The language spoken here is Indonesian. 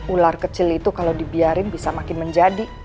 ular kecil itu kalau dibiarin bisa makin menjadi